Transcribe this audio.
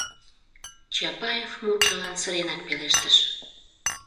— Чапаев мутшылан сыренак пелештыш.